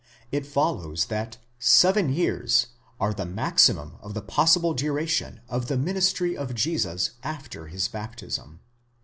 ® it follows that seven years are the maximum of the possible duration of the ministry of Jesus after his baptism.